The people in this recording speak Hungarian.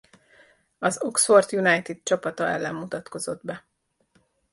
Az Oxford United csapata ellen mutatkozott be.